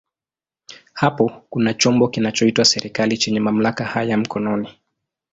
Hapo kuna chombo kinachoitwa serikali chenye mamlaka haya mkononi.